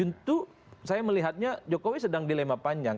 itu saya melihatnya jokowi sedang dilema panjang